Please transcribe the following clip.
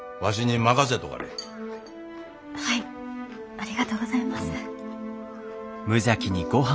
ありがとうございます。